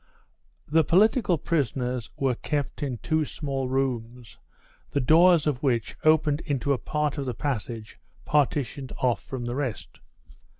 The political prisoners were kept in two small rooms, the doors of which opened into a part of the passage partitioned off from the rest.